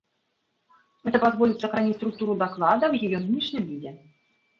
Это позволит сохранить структуру доклада в ее нынешнем виде.